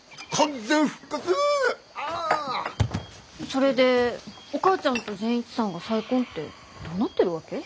それでお母ちゃんと善一さんが再婚ってどうなってるわけ？